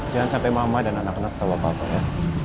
jangan sampai mama dan anak anak tahu apa apa ya